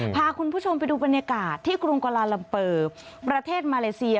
พาคุณผู้ชมไปดูบรรยากาศที่กรุงกลาลัมเปอร์ประเทศมาเลเซีย